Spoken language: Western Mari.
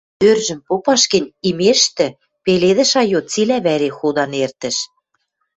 — Тӧржӹм попаш гӹнь, имештӹ Пеледӹш айо цилӓ вӓре худан эртӹш.